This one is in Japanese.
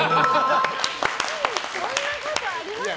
そんなことありますか？